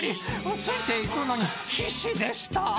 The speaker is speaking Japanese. ついていくのに必死でした］